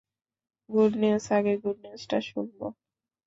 Good news, আগে good নিউজটা শুনব!